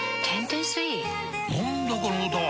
何だこの歌は！